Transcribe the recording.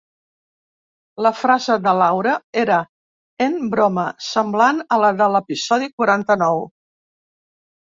La frase de Laura era "en broma", semblant a la de l'episodi quaranta-nou.